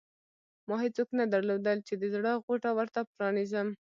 ما هېڅوک نه درلودل چې د زړه غوټه ورته پرانېزم.